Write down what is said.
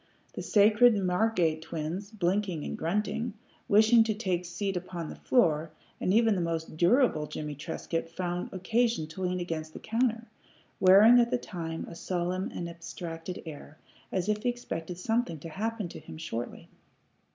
The sacred Margate twins, blinking and grunting, wished to take seat upon the floor, and even the most durable Jimmie Trescott found occasion to lean against the counter, wearing at the time a solemn and abstracted air, as if he expected something to happen to him shortly.